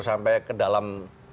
sampai ke dalam